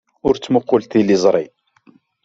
Ur ttmuqqul tiliẓri.